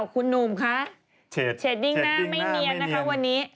คุณหนุ่มคะเชดดิ้งหน้าไม่เนียนนะคะวันนี้